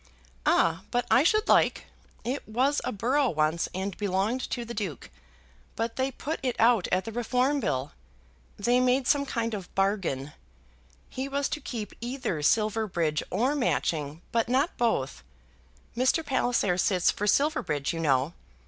"Ah, but I should like. It was a borough once, and belonged to the Duke; but they put it out at the Reform Bill. They made some kind of bargain; he was to keep either Silverbridge or Matching, but not both. Mr. Palliser sits for Silverbridge, you know.